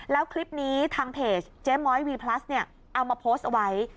แล้วคลิปนี้ทางเพจเจ๊ม้อยวีพลัสเนี่ยเอามาโพสต์เอาไว้